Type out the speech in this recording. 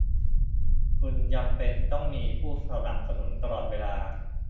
คุณจำเป็นต้องมีผู้สนับสนุนตลอดเวลา